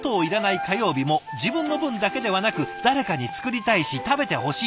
火曜日も自分の分だけではなく誰かに作りたいし食べてほしい。